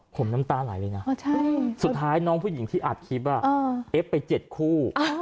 ผมน้ำตาไหลเลยนะสุดท้ายน้องผู้หญิงที่อัดคลิปเอฟไป๗คู่